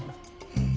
うん。